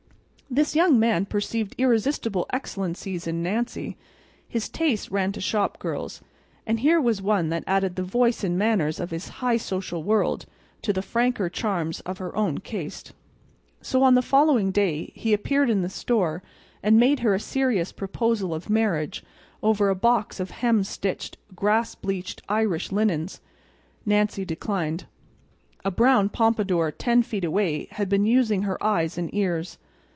This young man perceived irresistible excellencies in Nancy. His taste ran to shop girls; and here was one that added the voice and manners of his high social world to the franker charms of her own caste. So, on the following day, he appeared in the store and made her a serious proposal of marriage over a box of hem stitched, grass bleached Irish linens. Nancy declined. A brown pompadour ten feet away had been using her eyes and ears.